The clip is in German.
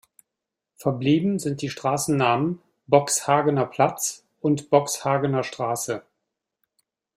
Verblieben sind die Straßennamen Boxhagener Platz und Boxhagener Straße.